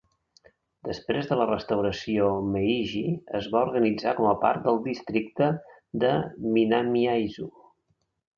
Després de la restauració Meiji, es va organitzar com a part del districte de Minamiaizu.